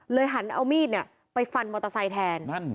หันเอามีดไปฟันมอเตอร์ไซค์แทน